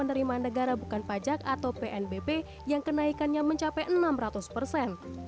penerimaan negara bukan pajak atau pnbp yang kenaikannya mencapai enam ratus persen